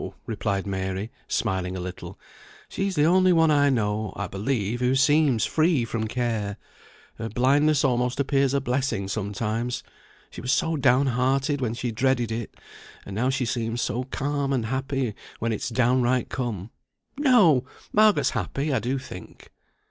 replied Mary, smiling a little, "she's the only one I know, I believe, who seems free from care. Her blindness almost appears a blessing sometimes; she was so downhearted when she dreaded it, and now she seems so calm and happy when it's downright come. No! Margaret's happy, I do think."